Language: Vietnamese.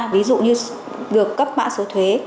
ví dụ như được cấp mã số thuế